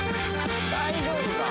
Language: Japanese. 大丈夫か？